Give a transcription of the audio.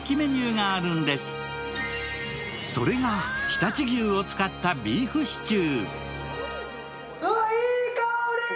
常陸牛を使ったビーフシチュー。